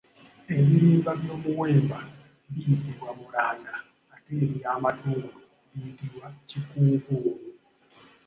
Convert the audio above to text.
Ebirimba by’omuwemba biyitibwa Mulanga ate eby’amatungulu biyitibwa Kikuukuulu.